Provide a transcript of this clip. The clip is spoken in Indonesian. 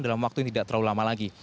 dalam waktu yang tidak terlalu lama lagi